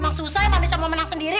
emang susah emang bisa mau menang sendiri